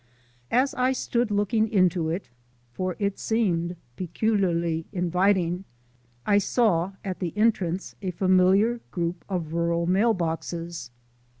As I stood looking into it for it seemed peculiarly inviting I saw at the entrance a familiar group of rural mail boxes.